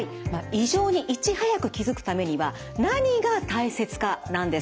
異常にいち早く気付くためには何が大切かなんです。